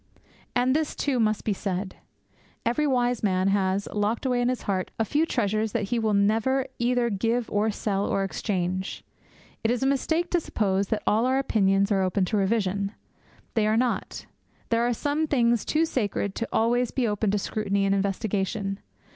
And this, too, must be said. Every wise man has, locked away in his heart, a few treasures that he will never either give or sell or exchange. It is a mistake to suppose that all our opinions are open to revision. They are not. There are some things too sacred to be always open to scrutiny and investigation.